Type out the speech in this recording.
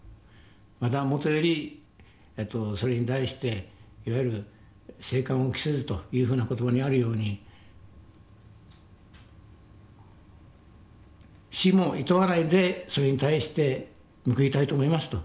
またもとよりそれに対していわゆる生還を期せずというふうな言葉にあるように死もいとわないでそれに対して報いたいと思いますと。